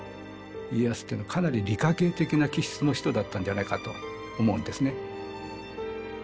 家康っていうのはかなり理科系的な気質の人だったんじゃないかと思うんですね。